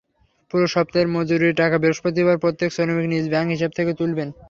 পুরো সপ্তাহের মজুরির টাকা বৃহস্পতিবার প্রত্যেক শ্রমিক নিজের ব্যাংক হিসাব থেকে তুলবেন।